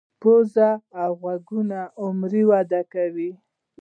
پوزه او غوږونه عمر وده کوي.